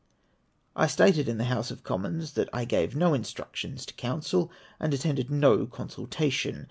I stated in the House of Commons that I gave no instruc tions to counsel, and attended no consultation.